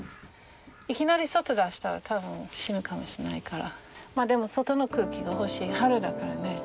いきなり外出したら多分死ぬかもしれないからでも外の空気が欲しい春だからね。